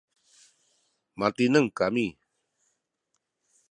matineng kami